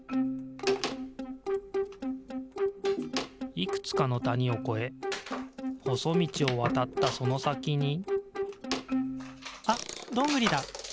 いくつかのたにをこえほそみちをわたったそのさきにあっドングリだ！